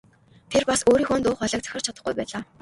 Тэр бас өөрийнхөө дуу хоолойг захирч чадахгүй байлаа.